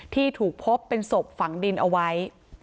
ที่ถูกพบเป็นศพฝังดินเอาไว้